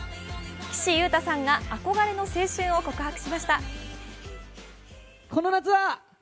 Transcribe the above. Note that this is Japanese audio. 岸優太さんが憧れの青春を告白しました。